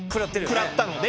食らったので。